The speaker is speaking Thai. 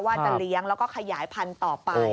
ว่าจะเลี้ยงแล้วก็ขยายพันธุ์ต่อไป